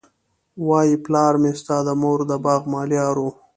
وايي پلار مي ستا د مور د باغ ملیار وو